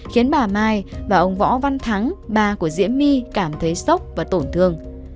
khiến bà mai và ông võ văn thắng bà của diễm my cảm thấy sốc và tổn thương